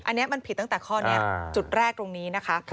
อันนี้มันผิดตั้งแต่ข้อนี้จุดแรกตรงนี้นะคะ